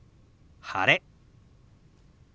「晴れ」。